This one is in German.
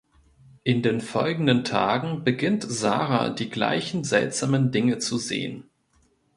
In den folgenden Tagen beginnt Sarah die gleichen seltsamen Dinge zu sehen.